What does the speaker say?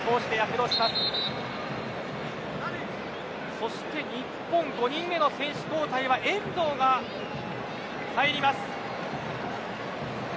そして日本、５人目の選手交代は遠藤が入ります。